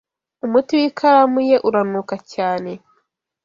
umuti w’ikaramu ye uranuka cyane